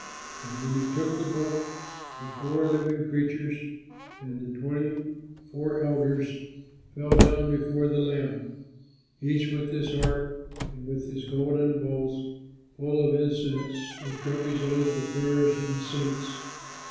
And when he took the book, the four living creatures and the twenty four elders fell down before the Lamb, each with his harp, and with his golden bowls full of incense which represent the prayers of the saints.